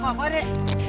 eh sama apa dek